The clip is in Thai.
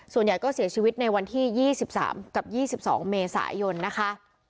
ส่วนใหญ่ก็เสียชีวิตในวันที่๒๓กับ๒๒เมษายนนะคะ